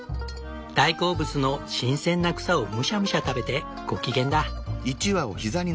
大好物の新鮮な草をむしゃむしゃ食べてご機嫌だ。